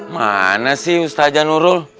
mana sih ustaz janurul